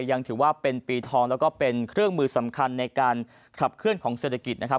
ยังถือว่าเป็นปีทองแล้วก็เป็นเครื่องมือสำคัญในการขับเคลื่อนของเศรษฐกิจนะครับ